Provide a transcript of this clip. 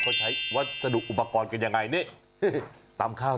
เขาใช้วัสดุอุปกรณ์กันยังไงนี่ตำข้าว